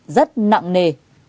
rất nặng nề